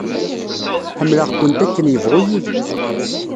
Ḥemmleɣ-kent akken yebɣu yili.